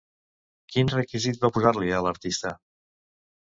Quin requisit va posar-li a l'artista?